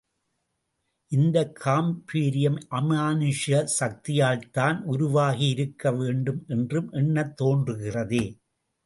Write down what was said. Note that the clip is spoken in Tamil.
இந்தக் காம்பீர்யம் அமானுஷ்ய சக்தியினால்தான் உருவாகி இருக்க வேண்டும் என்றும் எண்ணத் தோன்றுகிறதே!